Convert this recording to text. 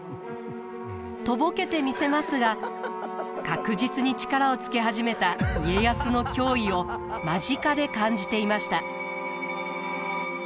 とぼけてみせますが確実に力をつけ始めた家康の脅威を間近で感じていました。